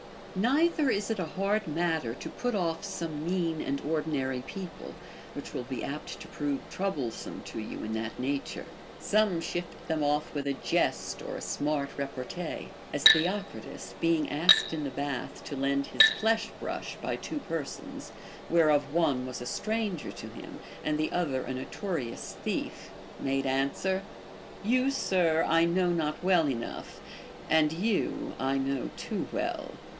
Neither is it a hard matter to put oif some mean and ordinary people, which will be apt to prove trouble some to you in that nature. Some shift them off with a jest or a smart repartee ; as Theocritus, being asked in the bath to lend his flesh brush by two persons, whereof one was a stranger to him, and the other a notorious thief, made answer : You, sir, I know not well enough, and you I know too Avell.